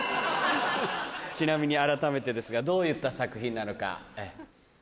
ちなみに改めてですがどういった作品なのか？